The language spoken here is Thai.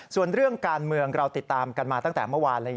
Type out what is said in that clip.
ส่วนเรื่องการเมืองเราติดตามกันมาตั้งแต่เมื่อวานเลย